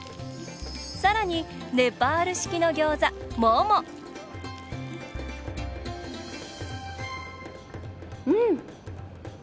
さらに、ネパール式のギョーザモモうん！